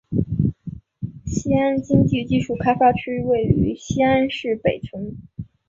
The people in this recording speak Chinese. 西安经济技术开发区位于西安市北城。